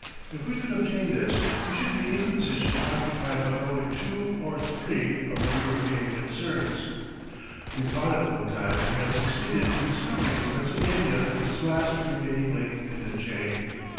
If we could obtain this we should be in the position occupied by only two or three of the European concerns. We thought at one time we had succeeded in discovering in Pennsylvania this last remaining link in the chain.